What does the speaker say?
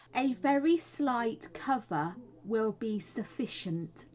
A very slight " cover " will be sufficient.